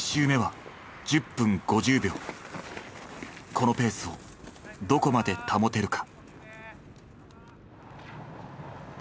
このペースをどこまで保てるか。